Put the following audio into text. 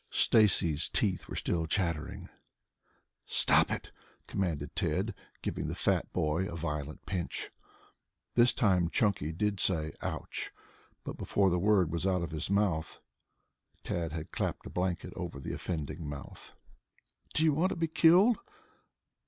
Stacy's teeth were still chattering. "Stop it!" commanded Tad, giving the fat boy a violent pinch. This time Chunky did say "ouch!" But before the word was out of his mouth Tad had clapped a blanket over the offending mouth. "Do you want to be killed?"